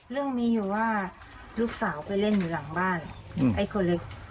เรื่องมีอยู่ว่าลูกสาวไปเล่นอยู่หลังบ้านไอ้คนเล็ก